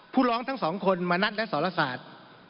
ผู้ร้องทั้งสองคนมณัฐและสรศาสตร์